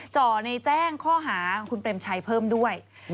จ่อในแจ้งข้อหาคุณเปรมชัยเพิ่มด้วย